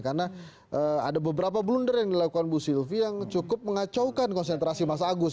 karena ada beberapa blunder yang dilakukan bu sylvie yang cukup mengacaukan konsentrasi mas agus